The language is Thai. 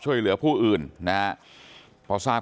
สวัสดีครับ